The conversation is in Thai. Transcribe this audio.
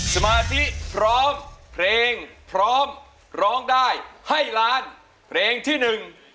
สมาธิพร้อมเพลงพร้อมร้องได้ให้ล้านเพลงที่หนึ่ง